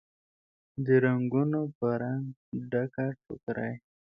د رنګونوپه رنګ، ډکه ټوکرۍ